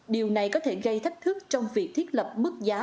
điều này có thể gây thách thức trong việc thiết lập mức giá